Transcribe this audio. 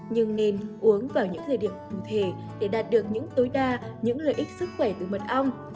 nhưng nên uống vào những thời điểm cụ thể để đạt được những tối đa những lợi ích sức khỏe từ mật ong